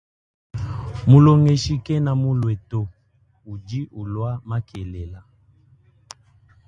Mulongeshi kena mulue to udi ulua makelela.